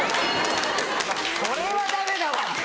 それはダメだわ。